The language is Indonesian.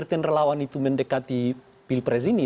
dan relawan itu mendekati pilpres ini